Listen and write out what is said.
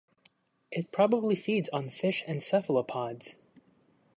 It probably feeds on fish and cephalopods.